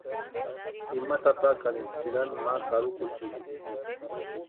Ima tatakarini sïranta ma karukuchisti.